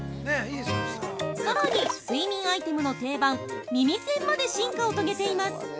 さらに、睡眠アイテムの定番耳栓まで進化を遂げています。